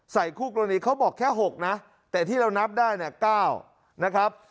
คู่กรณีเขาบอกแค่๖นะแต่ที่เรานับได้เนี่ย๙นะครับ